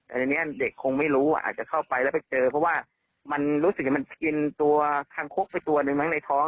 อันนี้เด็กคงไม่รู้อาจจะเข้าไปแล้วไปเจอเพราะว่ามันรู้สึกมันกินตัวคางคกไปตัวหนึ่งมั้งในท้อง